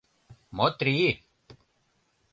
Мотри!